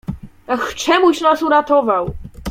"Ach, czemuś nas uratował!"